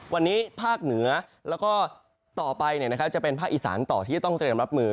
วันนี้ภาคเหนือแล้วก็ต่อไปจะเป็นภาคอีสานต่อที่จะต้องเตรียมรับมือ